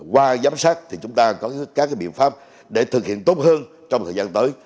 qua giám sát thì chúng ta có các biện pháp để thực hiện tốt hơn trong thời gian tới